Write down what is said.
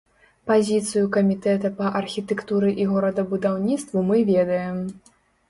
Пазіцыю камітэта па архітэктуры і горадабудаўніцтву мы ведаем.